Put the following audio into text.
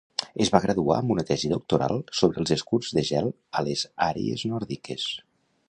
Es va graduar amb una tesi doctoral sobre els escuts de gel a les àrees nòrdiques.